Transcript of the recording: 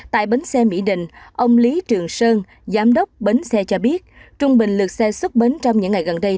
tại bến xe mỹ đình ông lý trường sơn giám đốc bến xe cho biết trung bình lượt xe xuất bến trong những ngày gần đây